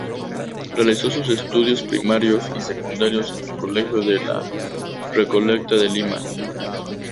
Realizó sus estudios primarios y secundarios en el Colegio de La Recoleta de Lima.